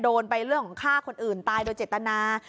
โดนไปเรื่องของฆ่าคนอื่นตายโดยเจตนา